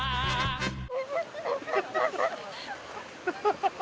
ハハハハ！